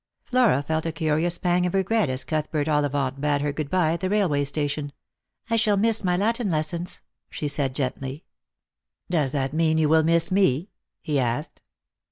Flora felt a curious pang of regret as Cuthbert Ollivant bade her good bye at the railway station. "I shall miss my Latin lessons," she said gently. " Does that mean you will miss me ?" he asked.